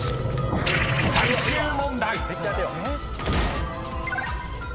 ［最終問題］